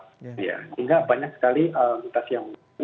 sehingga banyak sekali mutasi yang